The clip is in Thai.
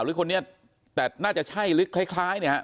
หรือคนนี้แต่น่าจะใช่หรือคล้าย